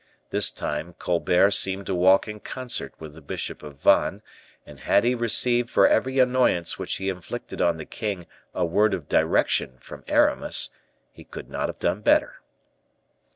This time Colbert seemed to walk in concert with the bishop of Vannes, and had he received for every annoyance which he inflicted on the king a word of direction from Aramis, he could not have done better.